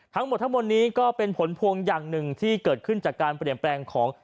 ทั้งหมดทั้งหมดนี้ก็เป็นผลพวงอย่างหนึ่งที่เกิดขึ้นจากการเปลี่ยนแปลงของ